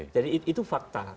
jadi itu fakta